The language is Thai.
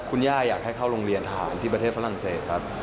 คุณย่าอยากให้เข้าโรงเรียนทหารที่ประเทศฝรั่งเศสครับ